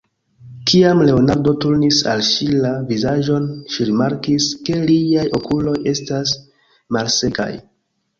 Kiam Leonardo turnis al ŝi la vizaĝon, ŝi rimarkis, ke liaj okuloj estas malsekaj.